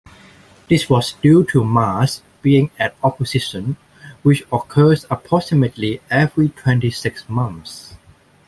This was due to Mars being at opposition, which occurs approximately every twenty-six months.